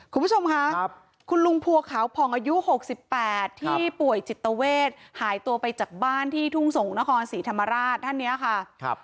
คุณผู้ชมค่ะคุณลุงภัวขาวผ่องอายุ๖๘ที่ป่วยจิตเวทหายตัวไปจากบ้านที่ทุ่งส่งนครศรีธรรมราชท่านนี้ค่ะ